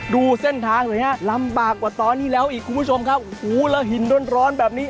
ดูเส้นทางลำบากกว่าตอนที่แล้วอีกคุณผู้ชมครับหินร้อนแบบนี้